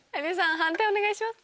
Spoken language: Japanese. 判定お願いします。